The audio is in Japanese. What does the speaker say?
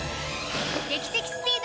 劇的スピード！